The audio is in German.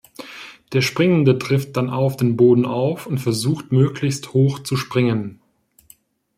Der Springende trifft dann auf den Boden auf und versucht möglichst hoch zu springen.